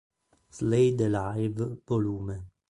Slade Alive, Vol.